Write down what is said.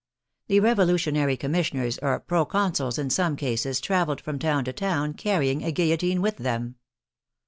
The Revolutionary Commissioners or Pro Consuls in some cases traveled from town to town carrying a guillotine with them.